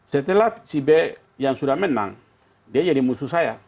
setelah si b yang sudah menang dia jadi musuh saya